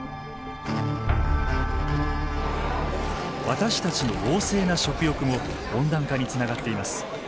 私たちの旺盛な食欲も温暖化につながっています。